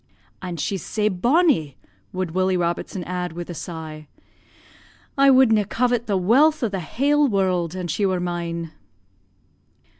"'An' she's sae bonnie,' would Willie Robertson add with a sigh. 'I would na' covet the wealth o' the hale world an she were mine.'